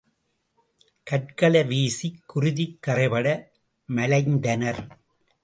கற்களை வீசிக் குருதிக் கறைபட மலைந்தனர்.